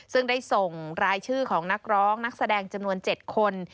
ซึ่งได้ส่งรายชื่อของนักร้องนักแสดงจำนวน๗คน